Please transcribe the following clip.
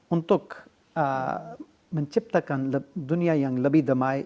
untuk menciptakan dunia yang lebih damai